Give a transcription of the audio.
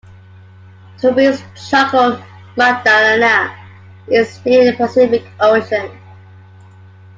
Tumbes-Choco-Magdalena is near the Pacific Ocean.